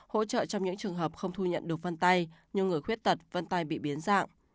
hỗ trợ trong những trường hợp không thu nhận được vân tay như người khuyết tật vân tay bị biến dạng